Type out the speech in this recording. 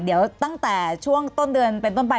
เดี๋ยวตั้งแต่ช่วงต้นเดือนเป็นต้นไป